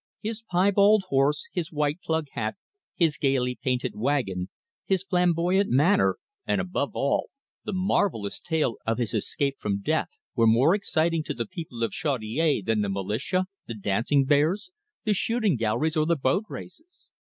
His piebald horse, his white "plug" hat, his gaily painted wagon, his flamboyant manner, and, above all, the marvellous tale of his escape from death, were more exciting to the people of Chaudiere than the militia, the dancing bears, the shooting galleries, or the boat races.